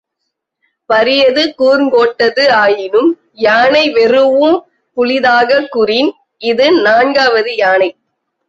பரியது கூர்ங்கோட்டது ஆயினும் யானை வெரூஉம் புலிதாக் குறின் இது நான்காவது யானை.